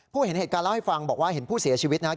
เห็นเหตุการณ์เล่าให้ฟังบอกว่าเห็นผู้เสียชีวิตนะครับ